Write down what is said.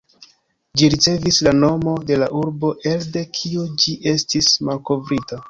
Ĝi ricevis la nomo de la urbo elde kiu ĝi estis malkovrita.